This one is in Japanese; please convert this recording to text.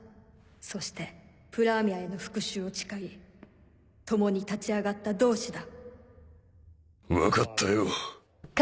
そしてプラーミャへの復讐を誓い共に立ち上がった同志だ。